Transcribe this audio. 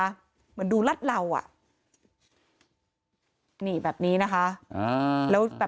เหมือนดูรัฐเล้ว